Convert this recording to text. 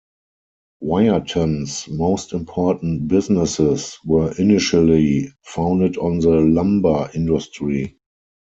Wiarton's most important businesses were initially founded on the lumber industry.